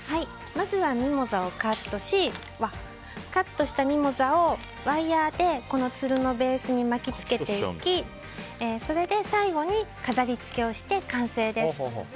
まずは、ミモザをカットしカットしたミモザをワイヤでつるのベースに巻き付けていきそして、最後に飾り付けをして、完成です。